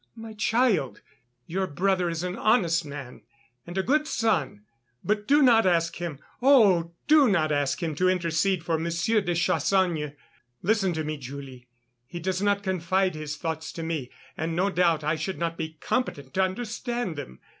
"My child, your brother is an honest man and a good son. But do not ask him, oh! do not ask him to intercede for Monsieur de Chassagne.... Listen to me, Julie. He does not confide his thoughts to me and, no doubt, I should not be competent to understand them